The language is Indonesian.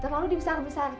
terlalu dibesar besarkan cinta